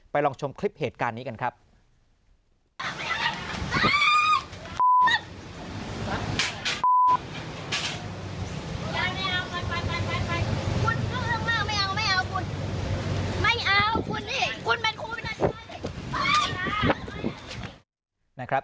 ลองชมคลิปเหตุการณ์นี้กันครับ